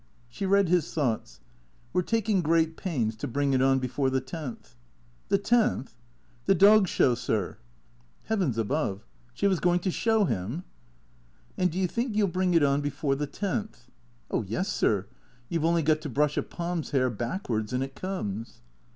She read his thoughts. " We 're taking great pains to bring it on before the tenth." " The tenth ?"" The Dog Show, sir." THE CREATORS • 33 (Heavens above! She was going to show him!) " And do you think you '11 bring it on before the tenth ?"" Oh yes, sir. You 've only got to brush a Pom's hair back wards and it comes."